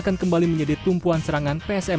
karena anak anak kita kuat sebagai tim